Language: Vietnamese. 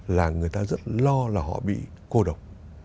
là người ta rất lo là họ bị cô độc